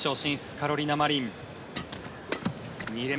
カロリナ・マリン。